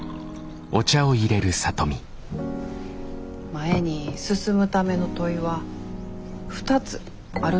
前に進むための問いは２つあると思うんです。